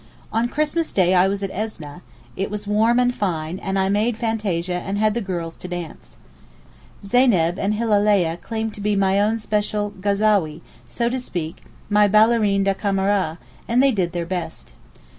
On Christmas day I was at Esneh, it was warm and fine, and I made fantasia and had the girls to dance. Zeyneb and Hillaleah claim to be my own special Ghazawee, so to speak my Ballerine da camera, and they did their best.